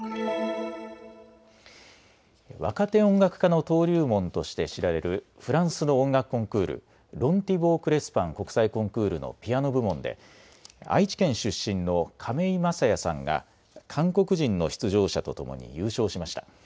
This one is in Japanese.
若手音楽家の登竜門として知られるフランスの音楽コンクール、ロン・ティボー・クレスパン国際コンクールのピアノ部門で愛知県出身の亀井聖矢さんが韓国人の出場者とともに優勝しました。